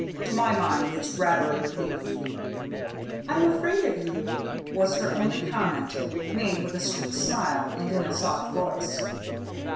To my mind it's rather a relief!" "I'm afraid of you," was her only comment, made with a sweet smile and in a soft voice.